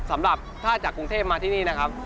สำหรับถ้าจากกรุงเทพมาที่นี่นะครับ